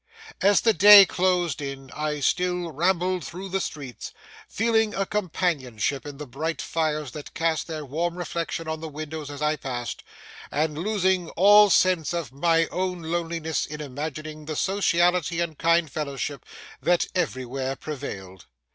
As the day closed in, I still rambled through the streets, feeling a companionship in the bright fires that cast their warm reflection on the windows as I passed, and losing all sense of my own loneliness in imagining the sociality and kind fellowship that everywhere prevailed.